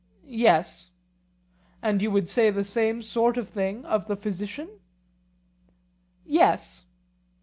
Yes. And you would say the same sort of thing of the physician? Yes.